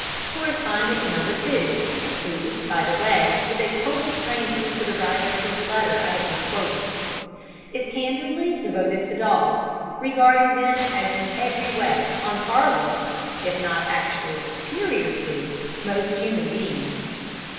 Correspondent No. 2 (who, by the way, is a total stranger to the writer whose letter I have just quoted) is candidly devoted to dogs, regarding them as in every way on a par with, if not actually superior to, most human beings.